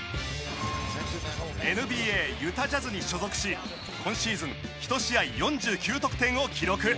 ＮＢＡユタ・ジャズに所属し今シーズン１試合４９得点を記録。